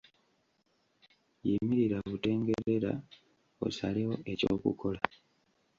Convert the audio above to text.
Yimirira butengerera, osalewo eky'okukola.